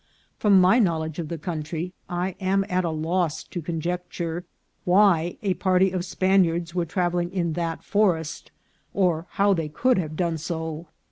From my knowledge of the country I am at a loss to conjecture why a party of Spaniards were travelling in that forest, or how they could have done so.